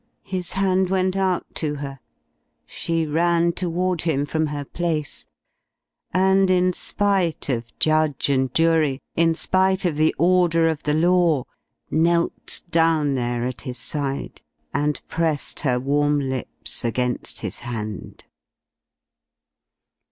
His hand went out to her; she ran toward him from her place, and in spite of judge and jury, in spite of the order of the law, knelt down there at his side and pressed her warm lips against his hand.